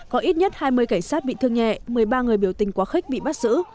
có ít nhất hai mươi cảnh sát bị thương nhẹ một mươi ba người biểu tình quá khích bị bắt giữ